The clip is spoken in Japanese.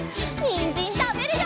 にんじんたべるよ！